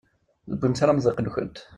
Ur tewwimt ara amḍiq-nkent.